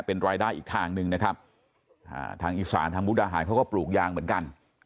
เป็นรายได้อีกทางหนึ่งนะครับทางอีสานทางมุกดาหารเขาก็ปลูกยางเหมือนกัน